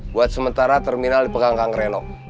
buat sementara terminal dipegang gang reno